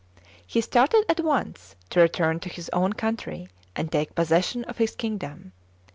He started at once to return to his own country, and take possession of his kingdom.